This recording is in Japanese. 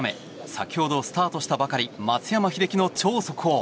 先ほど、スタートしたばかり松山英樹の超速報。